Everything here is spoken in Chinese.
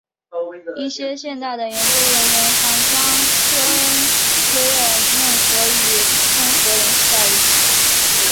一些现代的研究人员常将科恩威尔嫩河与育空河联系在一起。